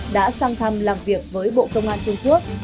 đã sang thăm làm việc với bộ công an trung quốc